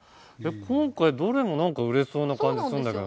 今回どれもなんか売れそうな感じするんだけどな。